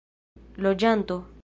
loĝanto